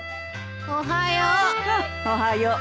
おはよう。